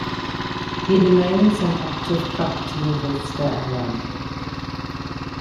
He remains an active property investor and landlord.